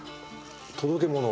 届け物？